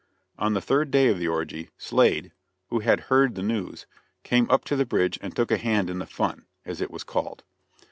On the third day of the orgie, Slade, who had heard the news, came up to the bridge and took a hand in the "fun," as it was called.